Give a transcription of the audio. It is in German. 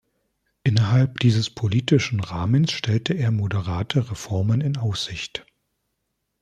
Innerhalb dieses politischen Rahmens stellte er moderate Reformen in Aussicht.